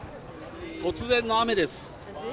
突然の雨です。